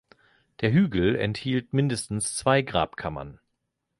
Der Hügel enthielt mindestens zwei Grabkammern.